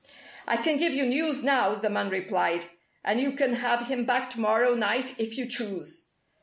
"I can give you news now," the man replied. "And you can have him back to morrow night if you choose."